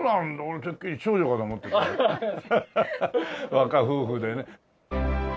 若夫婦でね。